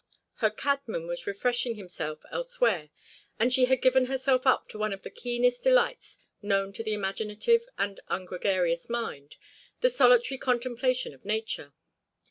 Her cabman was refreshing himself elsewhere and she had given herself up to one of the keenest delights known to the imaginative and ungregarious mind, the solitary contemplation of nature.